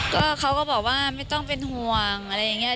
ก็เขาก็บอกว่าไม่ต้องเป็นห่วงอะไรอย่างนี้